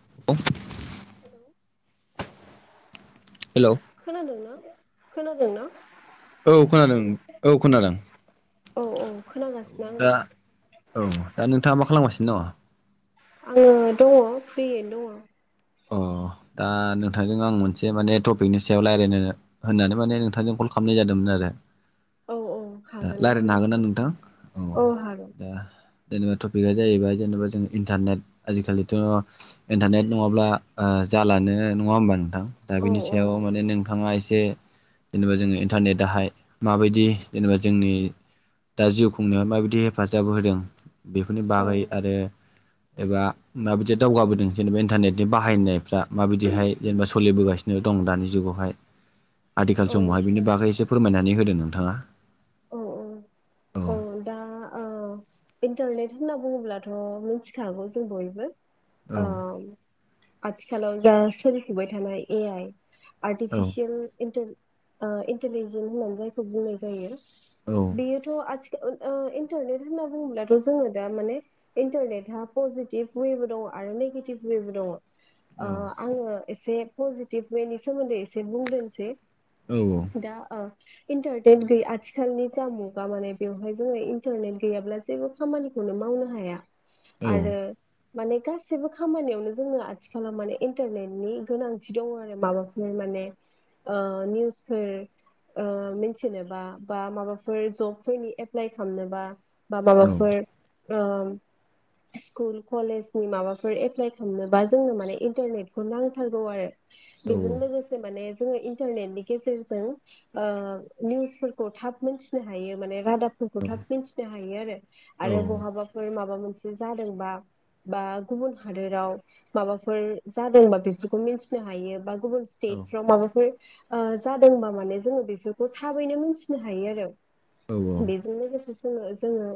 [unintelligible] Hello. खोनादों ना? खोनादों ना? औ खोनादों औ खोनादों। औ औ खोनागासिनो आङो। दा औ दा नोंथाङा मा खालामगासिनो दङ? आङो दङ फ्रियैनो दङ। अ दा नोंथांजों आं मोनसे माने टपिकनि सायाव रायज्लायनो होननानै माने नोंथांजों कल खालामनाय जादोंमोन आरो। औ औ दा हागोन रायज्लायनो रायलायनो हागोन ना नोंथां? औ हागोन दा जेनेबा टपिकआ जाहैबाय जेनेबा जों इन्टारनेट आजिखालिथ' इन्टारनेट नङाब्ला ओ जालानो नङा होमबा नोंथां दा औ बेनि सायाव माने हागोन नोंथाङा एसे जेनेबा जोङो इन्टारनेटाहाय माबायदि जेनेबा जोंनि दा जिउ खुंनायाव माबायदि हेफाजाब होदों बेफोरनि औ बागै आरो एबा माबायदि दावगाबोदों जेनेबा इन्टारनेट बाहायनायफ्रा माबायदिहाय जेनेबा सोलिबोगासिनो दं दानि जुगावहाय। आथिखाल औ समावहाय बिनि बागैसे फोरमायनानै होदों नोंथाङा। औ औ औ। दा औ इन्टारनेट होनना बुङोब्लाथ' मिथिखागौ जों बयबो। औ अ आथिखालाव जा सोलिफुबाय थानाय ए आइ औ आर्टिफिसियेल इन्टार ओ इन्टारलेजन होनना जायखौ बुंनाय जायो। औ बेयोथ' आथिखाल ओ इन्टारनेट होनना बुङोब्लाथ' जोङो दा माने इन्टारनेटआ पजिटिभ वेबो दङ आरो नेगेटिभ वेबो दङ। ओ औ आङो एसे पजिटिभ वेनि सोमोन्दै एसे बुंग्रोनोसै। औ औ। दा ओ [unintelligible] आथिखालनि जा मुगा माने बेवहाय जोङो इन्टारनेट गैयाब्ला जेबो खामानिखौनो मावनो हाया। औ आरो माने गासैबो खामानियावनो जोंङो आथिखालाव माने इन्टारनेटनि गोनांथि दङ आरो माबाफ फोर माने ओ निउसफोर ओ मिन्थिनोबा बा माबाफोर जबफोरनि एप्लाइ खालामनोबा बा औ माबाफोर ओ स्कुल कलेज नि माबाफोर एप्लाइ खालामनोबा जोंनो माने इन्टारनेटखौ नांथारगौ आरो। औ बेजों लोगोसे माने जोङो इन्टारनेटनि गेजेरजों ओ निउसफोर खौ थाब मोनथिनो हायो माने रादाब फोरखौ थाब मिन्थिनो हायो आरो आरो औ बहाबाफोर माबा मोनसे जादोंबा बा गुबुन हादोराव माबाफोर जादोंबा बेफोरखौ मिथिनो हायो बा गुबुन स्टेटफ्राव माबाफोर ओ जादोंबा माने जोङो बेफोरखौ थाबैनो मिथिनो हायो आरो। बेजोंनो लोगोसे जोङो जोङो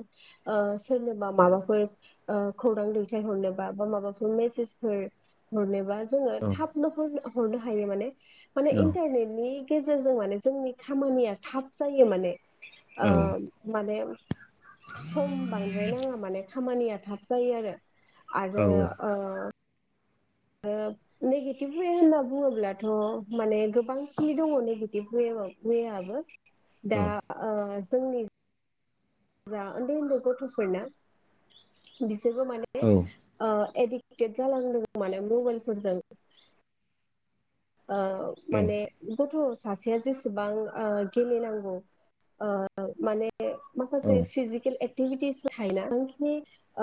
ओ सोरनोबा माबाफोर ओ खौरां दैथायहरनोबा बा माबाफोर मेसेजफोर हरनोबा जोङो थाबनो हरनो हरनो हायो माने माने इन्टारनेटनि गेजेरजों माने जोंनि खामानिया थाब जायो माने ओ माने सम बांद्राय नाङा माने खामानिया थाब जायो आरो आरो ओ ओ नेगेटिभ वे होनना बुङोब्लाथ' माने गोबांखिनि दङ नेगेटिभ वे वेआबो। दा ओ जोंनि जा उन्दै उन्दै गथ'फोरना बिसोरबो माने औ। ओ एडिक्टेद जालांदों माने मबाइलफोरजों। ओ माने गथ' सासेया जेसेबां ओ गेलेनांगौ ओ माने माखासे फिजिकेल एक्टिभिटिस थायोना बांखिनि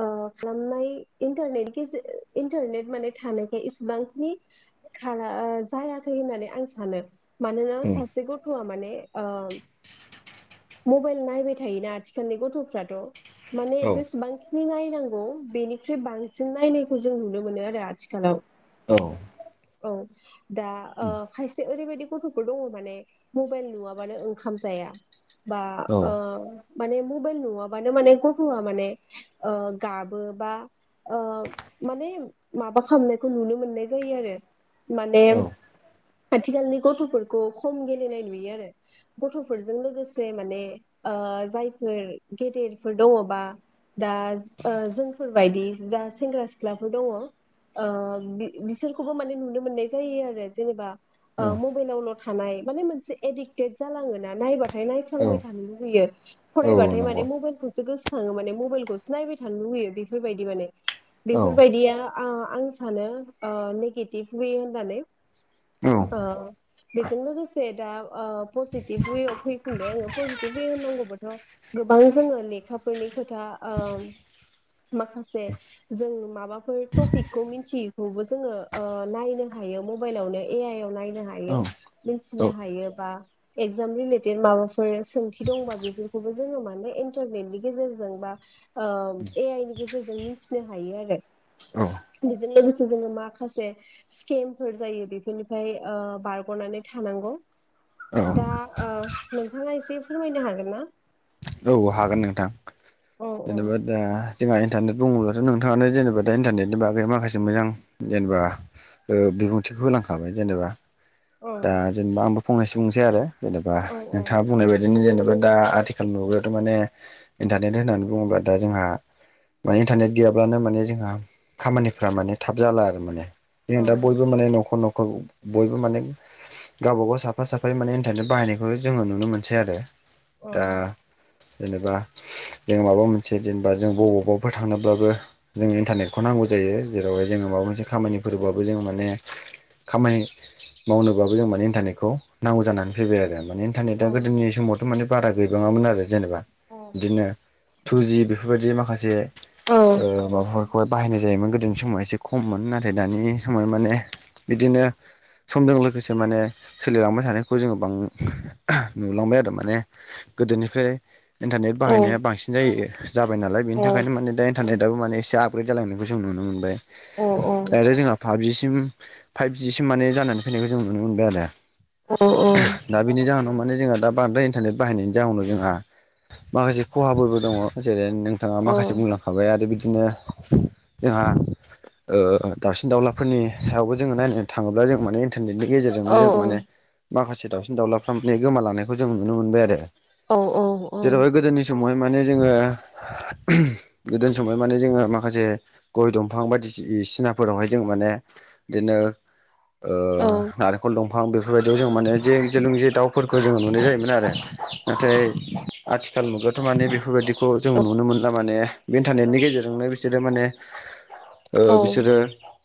ओ खालामनाय इन्टारनेट गेजे इन्टारनेट माने थानायखाय इसेबांखिनि खाला ओ जायाखै होननानै आं सानो मानोना सासे गथ थ'आ माने ओ मबाइल नायबाय थायोना आथिखालनि गथ'फ्राथ' माने जेसेबां खिनि नायनांगौ बेनिख्रुइ बांसिन नायनायखौ जों नुनो मोनो आरो आथिखालाव। औ। औ दा ओ खायसे ओरैबायदि गथ' थ'फोर दङ माने मबाइल नुवाबानो ओंखाम जाया बा ओ माने मबाइल नुवाबानो माने गथ'आ माने ओ गाबो बा ओ माने माबा खालामनायखौ नुनो मोननाय जायो आरो माने आथिखालनि गथ'फोरखौ खम गेलेनाय नुयो आरो। गथ'फोरजों लोगोसे माने ओ जायफोर गेदेरफोर दङबा दा ओ जोंफोरबायदि जा सेंग्रा सिख्ला सिख्लाफोर दङ ओ बिसोरखौबो माने नुनो मोननाय जायो आरो जेनेबा ओ मबाइलावल' थानाय माने मोनसे एडिक्टेड जालाङोना नायबा बाथाय औ औ नायफ्लाबाय थानो लुगैयो औ फरायबाथाय माने नंगौ मबाइखौसो गोसो खाङो माने मबाइलखौसो थानो लुुबैयो बेफोरबायदि औ बेफोरबायदिया आ आं सानो नेगेटिभलै होननानै। औ ओ बेजों लोगोसे दा ओ पजिटिभ फैफिनबाय आङो पजिटिभ उे होननांगौबाथ' गोबां जोङो लेखाफोरनि खोथा ओम माखासे जों माबाफोर टपिकखौ मिथियैखौबो जोङो ओ नायनो हायो। मबाइल आवनो ए आइ याव नायनो औ हायो औ मिनथिनो हायो बा इगजाम रिलेटेट माबा फोर सोंथि दंबा बेफोरखौबो जोङो माने इन्टारनेटनि गेजेरजों बा ओ ए आइ नि गेजेरजों मिथिनो हायो आरो औ बिजों लोगोसे जोङो माखासे स्केमफोर जायो बेफोरनिफ्राय ओ बारग'नानै थानांग'। दा औ ओ नोंथाङा एसे फोरमायनो हागोन ना? औ हागोन नोंथां औ औ जेनेबा दा जोंहा इन्टारनेट बुङोब्लाथ' नोंथाङानो जेनेबा दा इन्टारनेटनि बागै माखासे मोजां जेनेबा ओ बिबुंथिखौ होलांखाबाय जेनेबा औ दा जेनेबा आंबो फंनैसो बुंनोसै आरो जेनेबा औ नोंथाङा बुंनाय बाय बिदिनो जेनेबा दा आथिखाल मुगायावथ' माने इन्टारनेट होननानै बुङोब्ला दा जोंहा माने इन्टारनेट गैयाब्लानो माने जोंहा खामानिफ्रा माने थाब जाला आरो माने जों औ दा बयबो माने न'खर न'खर बयबो माने गावबा गाव साफा साफायै माने इन्टारनेट बाहायनायखौ जोङो नुनो मोनसै आरो। औ दा जेनेबा जों माबा मोनसे जेनेबा जों बबावबाफोर थांनोब्लाबो जोङो इन्टारनेटखौ नांगौ जायो जेरावहाय जोङो माबा मोनसे खामानिफोरबाबो जोङो माने खामानि मावनोबाबो जों माने इन्टारनेटखौ नांगौ जानानै फैबाय आरो माने इन्टारनेटआ औ गोदोनि समावथ' माने बारा गैबाङामोन आरो जेनेबा। बिदिनो टुजि बेफोरबायदि माखासे औ ओ माबाफोर खौहाय बाहायनाय जायोमोन गोदोनि समाव एसे खममोन नाथाय दानि समाव माने बिदिनो समजों लोगोसे माने सोलिलांबाय थानायखौ जोङो बां नुलांबाय आरो माने गोदोनिफ्राय इन्टारनेट बाहायनाया बांसिन जायो जाबाय नालाय बेनि थाखायनो माने दा इन्टारनेट दाबो माने एसे आपग्रेद जालांनायखौ जों नुनो मोनबाय। अ अ दडाइरेक्ट जोंहा फाबजिसिम फाइभजिसिम माने जानानै फैनायखौ नुनो मोनबाय आरो। औ दा बेनि जाहोनाव माने जोंहा दा बांद्राय इन्टारनेट बाहायनायनि जाहोनाव जोंहा माखासे खहाफोरबो दङ' जेरै नोंथाङा औ माखासे बुंलांखा खाबाय आरो बिदिनो जोंहा ओ दाउसिन दाउलाफोरनि सायावबो जोङो नायनो थाङोब्ला जों माने इन्टारनेटनि गेजेरजोंनो जों माने माखासे दाउसिन दाउलाफ्रा माने गोमालानायखौ जों नुनो मोनबाय आरो। औ औ जेरावहाय गोदोनि समावहाय माने जोङो गोदोनि समावहाय माने जोङो माखासे गय दंफां बायदिसिसिनाफोरावहाय जों माने बिदिनो ओ नारेंखल दंफां बेफोरबायदियाव जों माने जे जोलों जे दाउफोरखौ जोङो नुनाय जायोमोन आरो नाथाय आथिखाल मुगायावाथ' माने बेफोरबायदिखौ जों नुनो मोनला माने इन्टारनेटनि गेजेरजोंनो बिसोरो माने [inaudible] ओ बिसोरो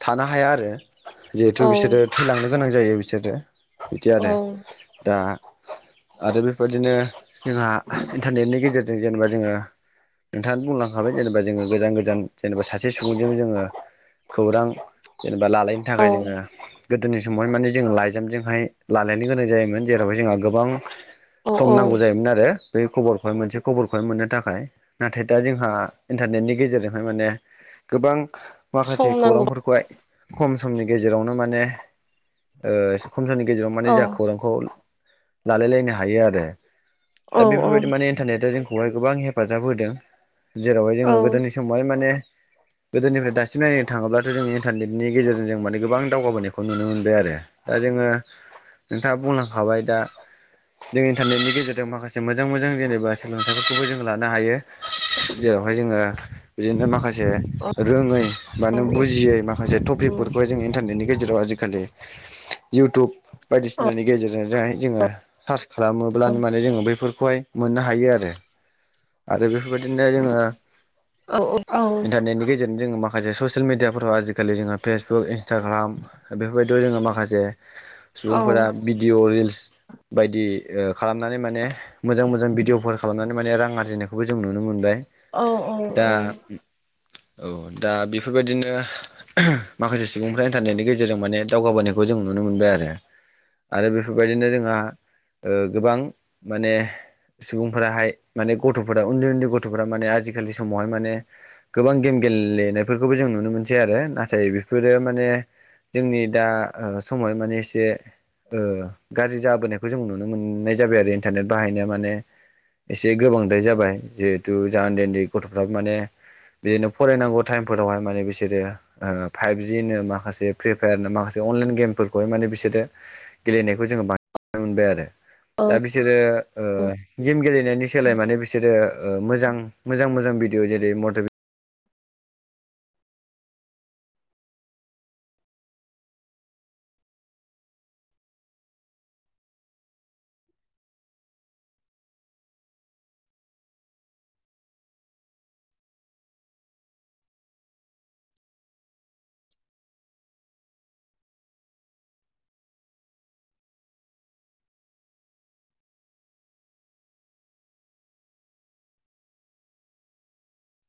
थानो हाया आरो जिहेथु बिसोरो थैलांनो गोनां जायो बिसोरो। बिदि आरो दा आरो बेफोरबायदिनो जोंहा इन्टारनेटनि गेजेरजों जेनेबा जोङो नोंथाङानो बुंलांखाबाय जेनेबा जोङो गोजान गोजान जेनेबा सासे सुबुंजों जोङो खौरां जेनेबा लालायनो औ थाखाय जोङो गोदोनि समावहाय माने जों लाइजामजोंहाय लालायनो गोनां जायोमोन जेरावहाय जोंहा गोबां औ सम औ नांगौ जायोमोन आरो बै खबरखौहाय मोनसे खबरखौहाय मोननो थाखाय। नाथाय दा जोंहा इन्टारनेटनि गेजेरजोंहाय माने गोबां माखासे सम नांगौ खौरांफोरखौहाय खम समनि गेजेरावनो माने ओ इसे खम समनि गेजेराव माने औ जा खौरांखौ लालायलायनो हायो आरो। औ दा औ बेफोरबायदि माने इन्टनेटआ जों बेखौहाय गोबां हेफाजाब होदों जेरावहाय जोङो गोदोनि समावहाय माने गोदोनिफ्राय दासिम नायनो थाङोब्लाथ' जोंनि इन्टारनेटनि गेजेरजों जों माने गोबां दावगाबोनायखौ नुनो मोनबाय आरो। दा जोङो नोंथाङा बुंलांखाबाय दा जों इन्टारनेटनि गेजेरजों जों माखासे मोजां मोजां जेनेबा सोलोंथाइफोरखौबो जों लानो हायो जेरावहाय जोङो बिदिनो माखासे जे रोङै बा नों बुजियै माखासे टपिकफोरखौहाय जों इन्टारनेटनि गेजेराव आजिखालि इउटुब बायदिसिनानि गेजेरजों जाय जोङो सार्च खालामो माने जोङो बेफोरखौहाय मोननो हायो आरो। आरो बेफोरबायदिनो जोङो औ औ इन्टारनेटनि गेजेरजों जोङो मा माखासे ससियेल मिडियाफोराव आजिखालि जोङो फेसबुक इन्सटाग्राम बेफोरबायदियाव जोङो माखासे औ सुबुंफोरा भिडिअ, रिल्स बायदि ओ खालामनानै माने मोजां मोजां भिडिअफोर खालामनानै माने रां आरजिनायखौबो जों नुनो मोनबाय औ दा औ औ दा बेफोरबायदिनो माखासे सुबुंफ्रा इन्टारनेटनि गेजेरजों माने दावगाबोनायखौ जों नुनो मोनबाय आरो। आरो बेफोरबायदिनो जोंहा ओ गोबां माने सुबुंफोराहाय माने गथ'फोरा उन्दै उन्दै गथ'फोरा माने आजिखालि समावहाय माने गोबां गेम गेलेनायफोरखौबो जों नुनो मोनसै आरो नाथाय बेफोरो माने जोंनि दा समावहाय माने एसे ओ गाज्रि जाबोनायखौ जों नुनो मोननाय जाबाय आरो इन्टारनेट बाहायनायाव माने एसे गोबांद्राय जाबाय जिहेथु जोंहा उन्दै उन्दै गथ'फ्राबो माने बिदिनो फरायनांगौ टाइमफोरावहाय माने बिसोरो फाइभजिनो माखासे फ्रि फायारनो माखासे अनलाइन गेमफोरखौहाय माने बिसोरो गेलेनायखौ जोङो बांसिन नुनो मोनबाय आरो। औ दा बिसोरो ओ गेम गेलेनायनि सोलाय माने बिसोर बिसोरो ओ मोजां मोजां मोजां भिडिअ जेरै मट